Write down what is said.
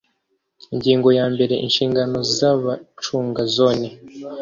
Ingingo ya mbere Inshingano z abacunga Zone